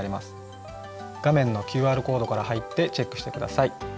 画面のＱＲコードから入ってチェックして下さい。